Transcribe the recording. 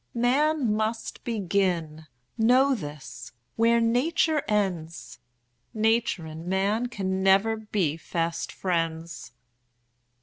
Man must begin, know this, where Nature ends; Nature and man can never be fast friends.